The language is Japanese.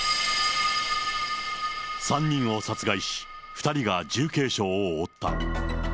３人を殺害し、２人が重軽傷を負った。